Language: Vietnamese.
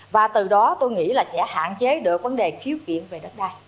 và từ đó tôi nghĩ là sẽ hạn chế được vấn đề khiếu kiện về đất đai